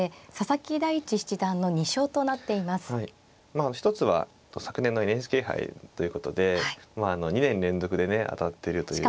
まあ一つは昨年のＮＨＫ杯ということで２年連続でね当たってるという。